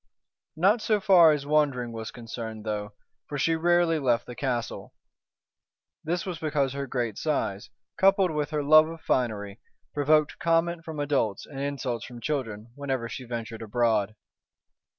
Not so far as wandering was concerned, though, for she rarely left the castle. This was because her great size, coupled with her love of finery, provoked comment from adults and insults from children whenever she ventured abroad.